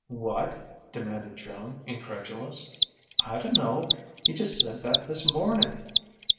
"What?" demanded Joan, incredulous. "I dunno. He just said that this morning."